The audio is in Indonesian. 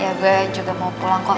ya gue juga mau pulang kok